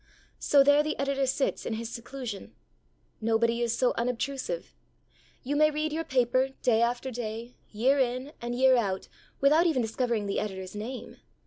So there the editor sits in his seclusion. Nobody is so unobtrusive. You may read your paper, day after day, year in and year out, without even discovering the editor's name.